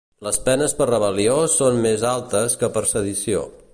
Les penes per rebel·lió són més altes que per sedició